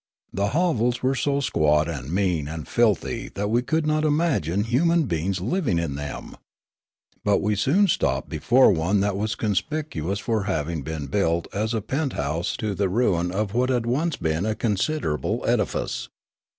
The hovels were so squat and mean and filthy that we could not imagine human beings living in them ; but we soon stopped before one that was conspicuous for having been built as a penthouse to the ruin of what had once been a considerable edi fice.